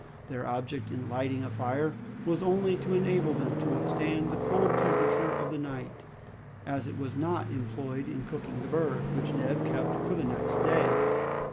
Their object in lighting a fire was only to enable them to withstand the cold temperature of the night, as it was not employed in cooking the bird, which Neb kept for the next day.